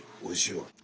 おいしいわ。